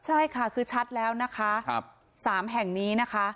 ใช่ค่ะคือชัดแล้วนะคะ๓แห่งนี้นะคะ